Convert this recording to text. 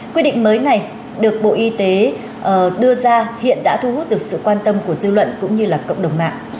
quy định mới này được bộ y tế đưa ra hiện đã thu hút được sự quan tâm của dư luận cũng như là cộng đồng mạng